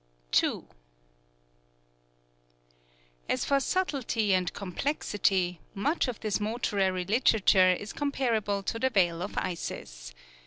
II As for subtlety and complexity, much of this mortuary literature is comparable to the Veil of Isis.